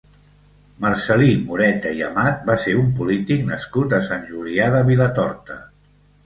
Marcel·lí Moreta i Amat va ser un polític nascut a Sant Julià de Vilatorta.